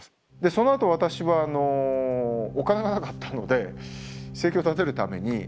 そのあと私はお金がなかったので生計を立てるためにガイドしてました。